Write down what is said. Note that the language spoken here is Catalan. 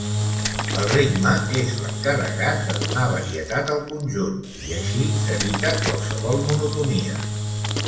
El ritme és l'encarregat de donar varietat al conjunt, i així s'evita qualsevol monotonia.